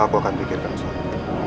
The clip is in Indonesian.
aku akan pikirkan soal itu